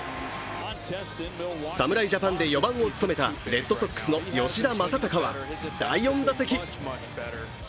侍ジャパンで４番を務めたレッドソックスの吉田正尚は第４打席。